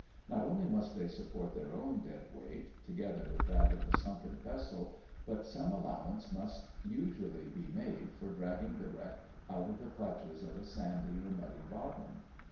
Not only must they support their own dead weight, together with that of the sunken vessel, but some allowance must usually be made for dragging the wreck out of the clutches of a sandy or muddy bottom.